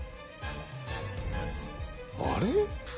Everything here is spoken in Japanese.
あれ？